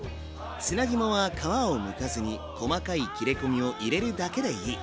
砂肝は皮をむかずに細かい切れ込みを入れるだけでいい。